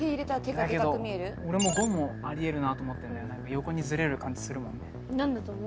だけど俺も５もありえるなと横にずれる感じするもんね何だと思う？